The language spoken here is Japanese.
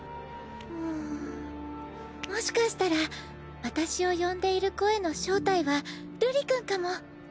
うんもしかしたら私を呼んでいる声の正体は瑠璃君かも。